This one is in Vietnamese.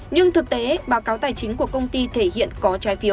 nhưng thực tế báo cáo tài chính của công ty thể hiện có trái phiếu